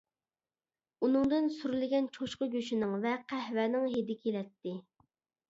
ئۇنىڭدىن سۈرلىگەن چوشقا گۆشىنىڭ ۋە قەھۋەنىڭ ھىدى كېلەتتى.